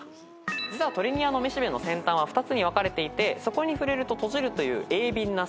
実はトレニアのめしべの先端は２つに分かれていてそこに触れると閉じるという鋭敏な性質。